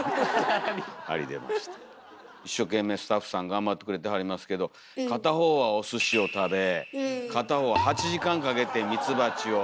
一生懸命スタッフさん頑張ってくれてはりますけど片方はお寿司を食べ片方は８時間かけてミツバチを。